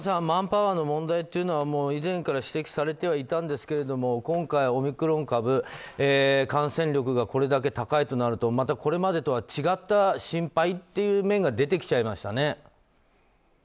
マンパワーの問題というのは以前から指摘されていたんですが今回、オミクロン株感染力がこれだけ高いとなるとまたこれまでとは違った心配という面が出てきちゃいましたね。